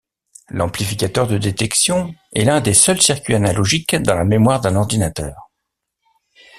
L'amplificateur de détection est l'un des seuls circuits analogiques dans la mémoire d'un ordinateur.